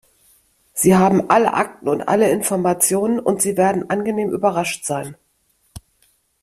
Sie haben alle Akten und alle Informationen, und Sie werden angenehm überrascht sein.